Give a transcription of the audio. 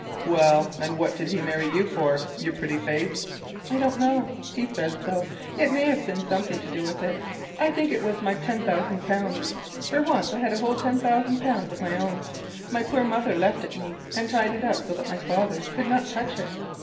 "Well, and what did he marry you for—your pretty face?" "I don't know; he said so; it may have had something to do with it. I think it was my ten thousand pounds, for once I had a whole ten thousand pounds of my own, my poor mother left it me, and it was tied up so that my father could not touch it.